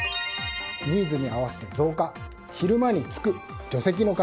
ニーズに合わせて増加昼間につく除夕の鐘。